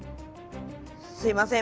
すいません。